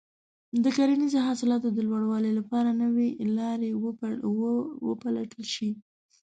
د کرنیزو حاصلاتو د لوړوالي لپاره نوې لارې وپلټل شي.